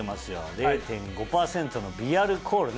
０．５％の微アルコールね。